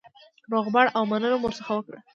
روغبړ او مننه مو ورڅخه وکړه.